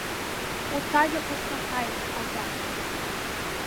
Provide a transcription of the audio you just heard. Урҭ ажәақәа смаҳаит аӡага.